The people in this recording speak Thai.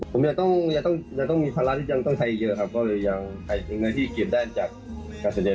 ผมยังต้องมีภาระที่ยังต้องไขเยอะครับก็ยังใครที่เก็บได้จากการเสด็จ